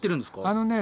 あのね